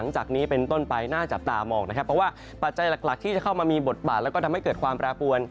ใจหลักที่จะเข้ามามีบทบาทแล้วก็ทำให้เกิดความแปรปวน